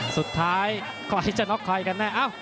สุดท้ายใครจะน็อกใครกันแน่